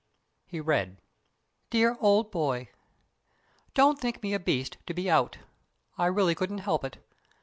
He read: DEAR OLD BOY: Don't think me a beast to be out. I really couldn't help it.